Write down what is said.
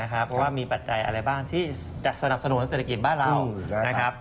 เพราะว่ามีปัจจัยอะไรบ้างที่จะสนับสนุนเศรษฐกิจบ้านเรานะครับ